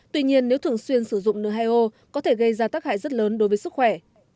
tuy nhiên nếu thường xuyên sử dụng nhio có thể gây ra tác hại rất lớn đối với sức khỏe